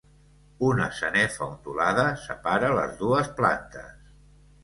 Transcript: Una sanefa ondulada separa les dues plantes.